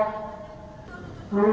kepada yang maha kuasa